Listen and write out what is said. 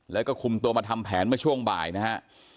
แล้วก็คุมตัวมาทำแผนเมื่อช่วงบ่ายนะฮะ